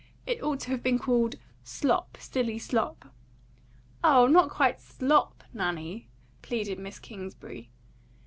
"It ought to have been called Slop, Silly Slop." "Oh, not quite SLOP, Nanny," pleaded Miss Kingsbury.